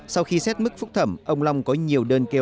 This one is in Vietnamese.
sau khi xét mức phúc thẩm ông long có nhiều đơn kêu